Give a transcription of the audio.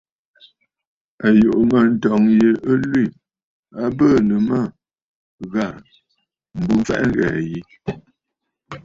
À yùʼù mə̂, ǹtɔ̂ŋ yi ɨ lwî, a bɨɨ̀nə̀ mə ghàrə̀, m̀burə mfɛʼɛ ghɛ̀ɛ̀ ƴi.